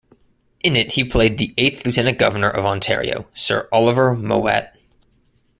In it he played the eighth Lieutenant Governor of Ontario, Sir Oliver Mowat.